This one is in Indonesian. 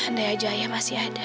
andai aja ayah masih ada